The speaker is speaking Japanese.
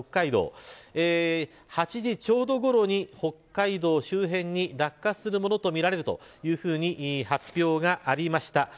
８時ちょうどごろに北海道周辺に落下するものとみられるというふうに発表がありました。